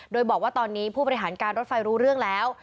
โดยบอกว่าตอนนี้ผู้บริหารการรถไฟรู้เรื่องแล้ว